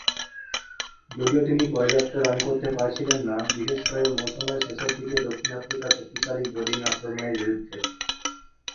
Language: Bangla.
যদিও তিনি পর্যাপ্ত রান করতে পারছিলেন না, বিশেষ করে মৌসুমের শেষের দিকে দক্ষিণ আফ্রিকার শক্তিশালী বোলিং আক্রমনের বিরুদ্ধে।